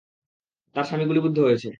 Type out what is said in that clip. তার স্বামী গুলিবিদ্ধ হয়েছে।